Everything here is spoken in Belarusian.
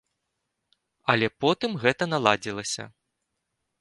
Але потым гэта наладзілася.